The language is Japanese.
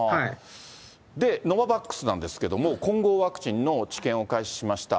で、ノババックスなんですけれども、混合ワクチンの治験を開始しました。